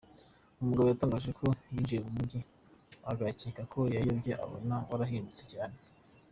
Mugabo yatangaje ko yinjiye mu mujyi agakeka ko yayobye, abona warahindutse cyane.